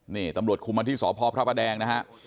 นี่ตำรวจคุมมาที่สพพระประแดงนะฮะ